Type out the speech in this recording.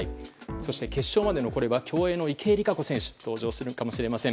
そして決勝まで残れば競泳の池江璃花子選手が登場するかもしれません。